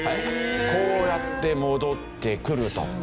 こうやって戻ってくると。